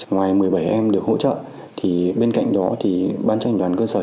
ngoài một mươi bảy em được hỗ trợ bên cạnh đó bán tranh đoàn cơ sở chúng tôi